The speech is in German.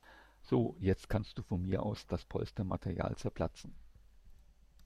So, jetzt kannst du von mir aus das Polstermaterial zerplatzen.